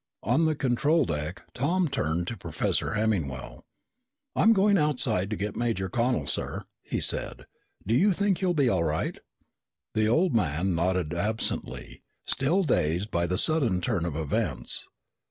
On the control deck, Tom turned to Professor Hemmingwell. "I'm going outside to get Major Connel, sir," he said. "Do you think you'll be all right?" The old man nodded absently, still dazed by the sudden turn of events.